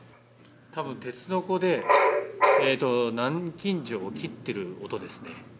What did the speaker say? たぶん鉄のこで、南京錠を切ってる音ですね。